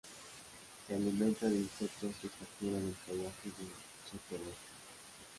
Se alimenta de insectos que captura en el follaje del sotobosque.